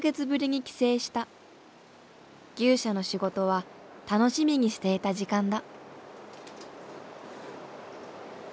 牛舎の仕事は楽しみにしていた時間だ。